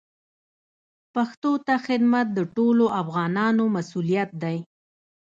پښتو ته خدمت د ټولو افغانانو مسوولیت دی.